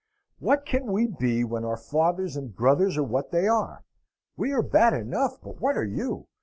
"What can we be, when our fathers and brothers are what they are? We are bad enough, but what are you?